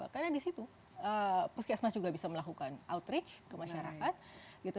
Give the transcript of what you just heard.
karena di situ puskesmas juga bisa melakukan outreach ke masyarakat